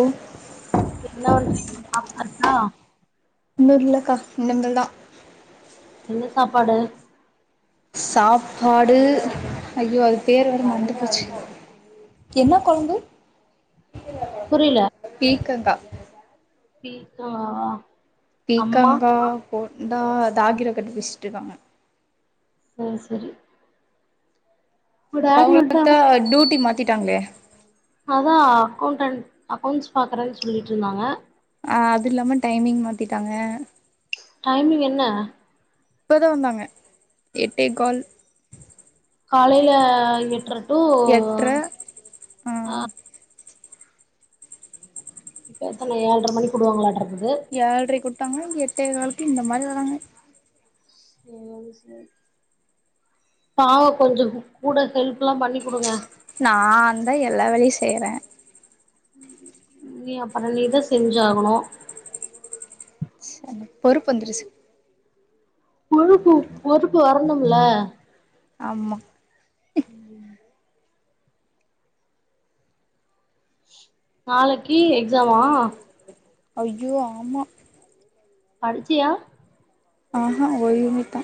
ஒ என்ன பண்றீங்க சாப்டாச்சா இன்னு இல்லக்கா இனிமேல் தா என்ன சாப்பாடு சாப்பாடு ஐயோ அது பேர் வேற மறந்து போச்சு என்ன கொழம்பு புரியல பீக்கங்கா [unintelligible] பீக்கங்கா போண்டா தாகிர கட்டி பிடுச்சிட்டுருக்காங்க ம் செரி அவங்களுக்குத்தா வன்ட்டாரா டியூட்டி மாத்திட்டாங்களே அதா அக்கௌண்டன் அக்கௌண்ட்ஸ் பாக்குறேன்னு சொல்லிட்டு இருந்தாங்க ஆ அது இல்லாம டைமிங் மாத்திட்டாங்க டைமிங் என்ன இப்போ தா வந்தாங்க எட்டே கால் காலையில எட்டர டூ எட்ற்ற ஆ எத்தன ஏழ்ர மணிக்கு விடுவாங்களாட்ருக்குது ஏழ்ரைக்கு உட்டாங்கனா எட்டேகாலுக்கு இந்த மாரி வராங்க சேரி சேரி பாவோ கொஞ்சோ கூட ஹெல்ப்லா பண்ணிக்குடுங்க நாந்தா எல்லா வேலையு செய்வ நீ அப்பறோ நீதா செஞ்சாகணூ ச பொறுப்பு வந்துருச்சி பொறுப்பு பொறுப்பு வரணுமுல ஆம்மா [inaudible] நாளக்கீ எக்ஸாமா அய்யோ ஆமா படிச்சியா ஆஹா ஒரு யூனிட் தா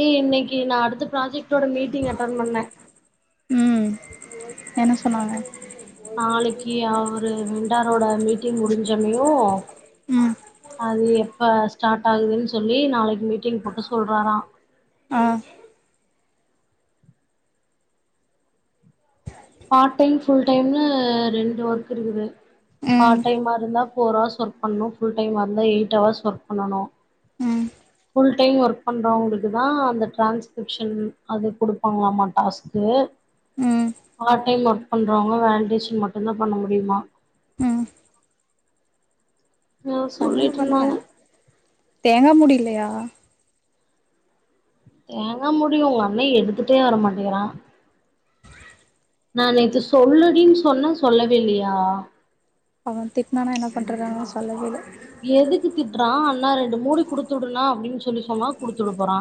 ஏ இன்னைக்கி நா அடுத்த ப்ராஜெக்டோட மீட்டிங் அட்டென் பண்ணே ம் என்ன சொன்னாங்க நாளைக்கீ அவ்ரு வெண்டாரோட மீட்டிங் முடிஞ்சொனேயு ம் அது எப்ப ஸ்டார்ட் ஆகுதுனு சொல்லி நாளைக்கி மீட்டிங் போட்டு சொல்றாரா ஆ பார்ட் டைம் ஃபுல் டைம்னூ ரெண்டு ஒர்க் இருக்குது ம் பார்ட் டைமாருந்தா ஃபோர் ஹார்ஸ் ஒர்க் பண்ணணு ஃபுல் டைமாருந்தா எயிட் அவர்ஸ் ஒர்க் பண்ணணு ம் ஃபுல் டைம் ஒர்க் பண்றவங்களுக்குதா அந்த ட்ரான்ஸ்கிரிப்ஷன் அது கொடுப்பாங்களாமா டாஸ்க்கூ ம் பார்ட் டைம் ஒர்க் பண்றவங்க வேலிடேஷன் மட்டுந்தா பண்ண முடியுமா ம் அ பண்ணுவே சொல்லிட்டு பண்ணுவே இருந்தாங்க தேங்காமுடி இல்லையா தேங்கா முடி உங்க அண்ணெ எடுத்துட்டே வர மாட்டெக்குறா நா நேத்து சொல்லுடீனு சொன்னெ சொல்லவே இல்லையா அவெ திட்னானா என்ன பண்றது அதா சொல்லவேயில்ல எதுக்கு திட்றா அண்ணா ரெண்டு மூடி குடுத்துவுடுனா அப்டின்னு சொல்லி சொன்னா குடுத்துவிட போறா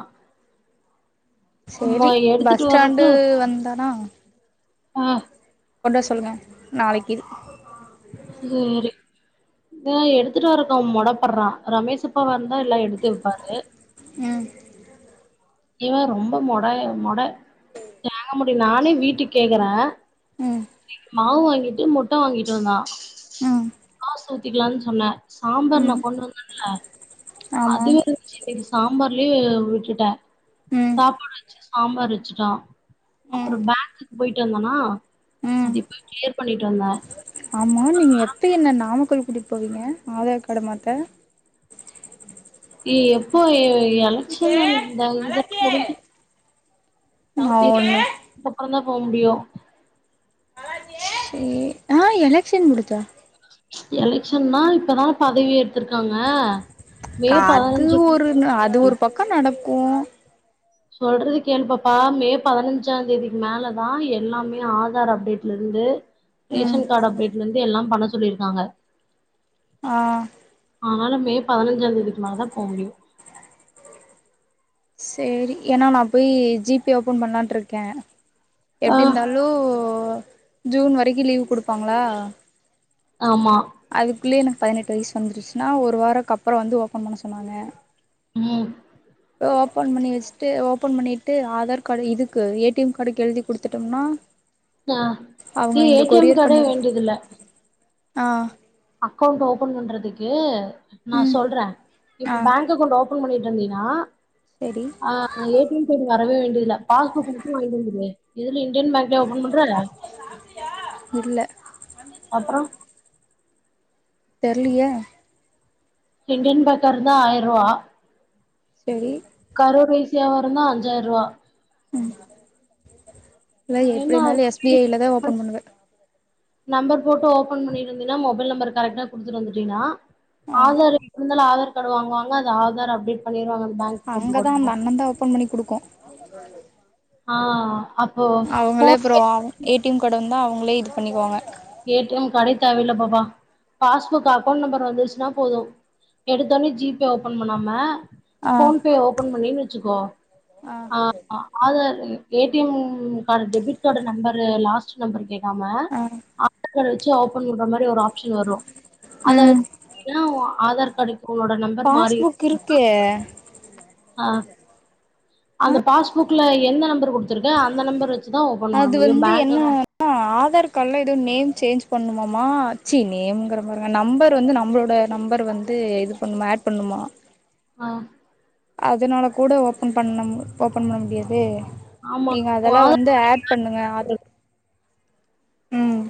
அம்மா செரி எடுத்துட்டு வர்றக்கு பஸ்டாண்டூ வந்தனா ஆ கொண்டா சொல்லுங்க நாளைக்கீ சேரி த எடுத்துட்டு வரக்கு அவெ மொடப்பட்றா ரமேஷப்பா வந்தா எல்லா எடுத்து வெப்பாரு ம் இவன் ரொம்ப மொடெய் மொட தேங்கா முடி நானே வீட்டுக் கேக்குறே ம் மாவு வாங்கிட்டு முட்ட வாங்கிட்டு வந்தா ம் காஸ் ஊத்திக்கலான் சொன்னே சாம்பார் நா ம் கொண்டு வந்தென்ல ஆமா அதுலே சாம்பார்லயே விட்டுட்டே ம் சாப்பாடு வச்சு சாம்பார் வச்சுட்டோ ம் அப்றோ பேங்க்குக் போய்ட்டு வந்தனா அது இப்ப க்ளியர் பண்ணிட்டு வந்தே ஆம்மா நீங்க எப்ப என்ன நாமக்கல் கூட்டிட்டு போவீங்க ஆதார் கார்ட மாத்த ஏய் எப்போ எலெக்ஷன் அந்த இத முடிஞ்சு [unintelligible] அதுக்கப்றந்தா போ முடியு சே ஆ எலக்க்ஷன் முடிச்சா எலெக்ஷன்னா இப்பதா பதவியேத்துர்க்றாங்க காது ஒருனு அது ஒரு பக்கோ நடக்கு சொல்றத கேள் பாப்பா மே பதினஞ்சாந்தேதிக்கு மேலதா எல்லாமே ஆதார் அப்டேட்லருந்து ம் ரேஷன் கார்டு அப்டேட்ல இருந்து எல்லா பண்ண சொல்லி இருக்காங்க ஆ ஆனாலும் மே பதினஞ்சாந் தேதிக்கு மேல தான் போ முடியூ சேரி ஏன்னா நான் போயி ஜி பே ஓபன் பண்லான்ட்டு இருக்கேன் ஆ எப்டி இருந்தாலூ ஜூன் வரைக்கு லீவு குடுப்பாங்களா ஆமா அதுக்குள்ளயே எனக்கு பதினெட்டு வயசு வந்துருச்சுன்னா ஒரு வாரம்க்கப்பறோ வந்து ஓபன் பண்ண சொன்னாங்க ம் இப்போ ஓப்பன் பண்ணி வச்சுட்டு ஓப்பன் பண்ணிட்டு ஆதார் கார்டு இதுக்கு ஏடிஎம் கார்டுக்கு எழுதி குடுத்துட்டோம்னா ஆ அவ்ங்க ஏ இங்க டி எம் கொரியர் கார்டே பண்ணிர் வேண்டியதில்ல ஆ அக்கவுண்ட் ஓபன் பண்றதுக்கு நான் ம் சொல்றேன் ஆ இப்ப பேங்க் இங்க அக்கவுண்ட் ஓபன் பண்ணிட்டு இருந்தீன்னா சேரி ஆ ஏ டி எம் வரவே வேண்டியதில்ல பாஸ்புக்கு மட்டும் வாங்கிட்டு வந்துருவே இதுல இந்தியன் பேங் இதுலயா ஓபன் பண்றாரு இல்ல அப்பறோ தெர்லியே செங்கன் பேக்கர் இருந்தா ஆய்ர ரூவா செரி கரூர் வைசியாவா இருந்தா அஞ்சாய்ர ரூவா ம் இல்ல எப்டி என்ன இருந்தாலும் எஸ் பி ஐ ல தான் ஓபன் பண்ணுவ நம்பர் போட்டு ஓபன் பண்ணிட்ருந்தீன்னா மொபைல் நம்பரு கரெட்டா குடுத்துட்டு வந்துட்டீங்கன்னா ஆ ஆதாரு இரு இருந்தாலும் ஆதார் கார்டு வாங்குவாங்க அது ஆதார் அப்டேட் பண்ணிருவாங்க அந்த பேங்க் அக்கௌண்ட் அங்கதான் போட்டு நம்ம அண்ணந்தா ஓபன் பண்ணி குடுக்கு ஆ அப் அவுங்களே அப்புறோ ஏ டி எம் கார்டு வந்தா அவ்ங்களே இது பண்ணக்குவாங்க ஏ டி எம் காடே தேவ இல்ல பாப்பா பாஸ்புக் அக்கவுண்ட் நம்பரு வந்துருச்சுன்னா போதும் எடுத்தோடனே ஜி பே ஓபன் பண்ணாம ஆ போன் பே ஓபன் பண்ணனு வச்சுக்கோ ஆ ஆ Aadhaar A T M card debit card number last number கேட்காம அத வச்சு ஓபன் பண்ற மாரி ஒரு ஆப்ஷன் வரும் அத ம் ஏன் ஓன் ஆதார் கார்டுக்கு ஊட நம்பர் மாறி [inaudible] பாஸ்புக் இருக்கே ஆ அந்த பாஸ்புக்ல எந்த நம்பரு குடுத்தருக்க அந்த நம்பரு வச்சுதான் ஓபன் பண்ண முடியூ பேங்க் அக்கவுண்ட் ஆ அ ஆதாரு கால்ல எதோ நேம் சேஞ்ச் பண்ணுமாமா ச்சீ நேம்ங்கிற பாருங்க நம்பர் வந்து நம்மளோட நம்பரு வந் து இது பண்ணுமா ஆட் பண்ணுமா ஆ அதனால கூட ஓபன் பண்ணம் ஓபன் பண்ண முடியாதே ஆமா நீங்க உ அதெல்லாம் ஆதார் வந்து ஆப் பண்ணுங்க ஆ ம்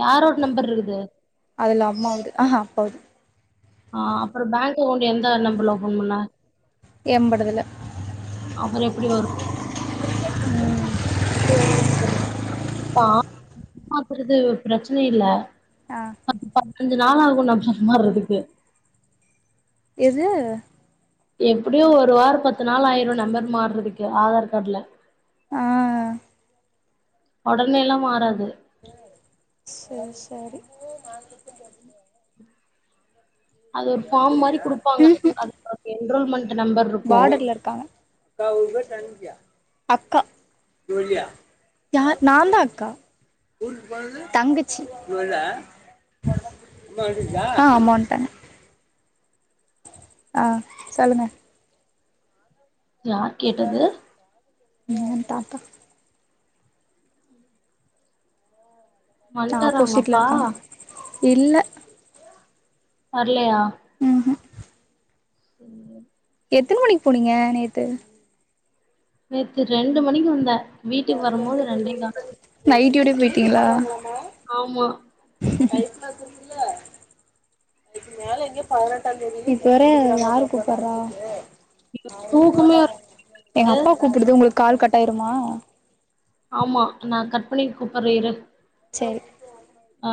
யாரோட் நம்பர்ருது அதுல அம்மாவது ஆஹ்ஹ அப்பாவது ஆ அப்றோ பேங்க் அக்கவுண்ட் எந்த நம்பர்ல ஓபன் பண்ண எம்படுதுல அப்ரோ எப்டி வரும் [inaudible] ஆ பாக்குறது பிரச்சனையே இல்ல ஆ பத்து பதினஞ்சு நாள் ஆகூ நம்ம மாறதுக்கு எது எப்டியு ஒரு வாரோ பத்து நாள் ஆயிரு நம்பர் மாறுரதுக்கே ஆதார் கார்டுல ஆ ஒடனேலா மாறாது செரி செரி அது ஒரு ஃபார்ம் மாறி குடுப்பாங்க ம்ஹூம் அது என்ரோல்மெண்ட் நம்பர் இருக்கு பார்டர்ல இருக்காங்க அக்கா யா நான்தா அக்கா தங்கச்சி ஆ அம்மா வன்ட்டாங்க ஆ சொல்லுங்க யார் கேட்டது எ தாத்தா வன்ட்டாரா உங்க ஆப்போசிட்ல அப்பா இருக்காங்க இல்ல வர்லயா ம் ஹூம் சரிங்க எத்ன மணிக் போனீங்க நேத்து நேத்து ரெண்டு மணிக்கு வந்த வீட்டுக்கு வருமோது ரெண்டே கால் நைட்டியோடியே போயிட்டிங்களா ஆமா [unintelligible] இதுக்கு இப்ப வேற யாரு கூப்புறா தூக்கமே எங்க வருது அப்பா கூப்பிடுது உங்களுக்கு கால் கட் ஆயிருமா ஆமா நா கட் பண்ணி கூப்புறே இரு செரி ஆ